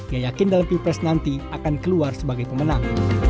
ia yakin dalam pilpres nanti akan keluar sebagai pemenang